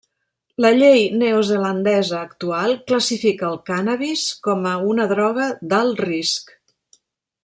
La llei neozelandesa actual classifica el cànnabis com a una droga d'alt risc.